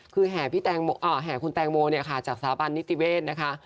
คือแห่คุณแตงโมจากสาปัญญ์นิติเวสนะคะ